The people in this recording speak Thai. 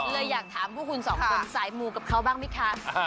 อยากถามพวกคุณสองคนสายมูกับเขาบ้างไหมคะ